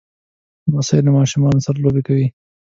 لمسی له ماشومو سره لوبې کوي.